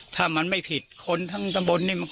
ถ้ามันไม่ผิดคนทั้งตำบลนี่